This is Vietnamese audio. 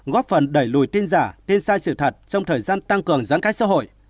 góp phần đẩy lùi tin giả tin sai sự thật trong thời gian tăng cường giãn cách xã hội